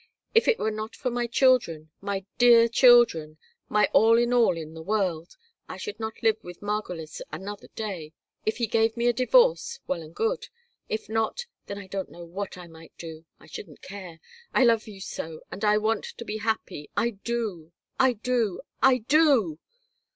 If it were not for my children, my dear children, my all in all in the world, I should not live with Margolis another day. If he gave me a divorce, well and good; if not, then I don't know what I might do. I shouldn't care. I love you so and I want to be happy. I do, I do, I do."